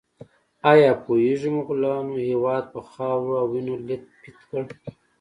ایا پوهیږئ مغولانو هېواد په خاورو او وینو لیت پیت کړ؟